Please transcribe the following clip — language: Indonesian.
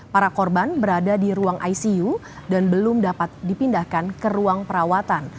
para korban berada di ruang icu dan belum dapat dipindahkan ke ruang perawatan